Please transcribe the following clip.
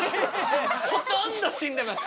ほとんど死んでます。